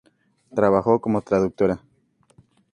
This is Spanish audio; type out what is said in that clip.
Trabajó como traductora.